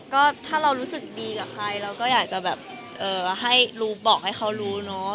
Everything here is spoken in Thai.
ก็ถ้าเรารู้สึกดีกับใครเราก็อยากจะแบบให้รู้บอกให้เขารู้เนอะ